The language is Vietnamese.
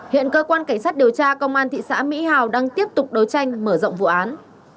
hiện cơ quan cảnh sát điều tra công an thị xã mỹ hào đang tiếp tục đấu tranh mở rộng vụ án